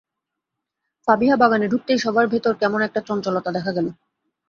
ফাবিহা বাগানে ঢুকতেই সবার ভেতরে কেমন একটা চঞ্চলতা দেখা গেল।